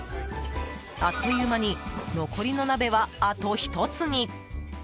あっという間に残りの鍋はあと１つに。